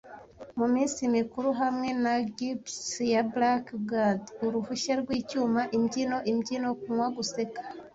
Mu minsi mikuru, hamwe na gibes ya blackguard, uruhushya rwicyuma, imbyino-imbyino, kunywa, guseka,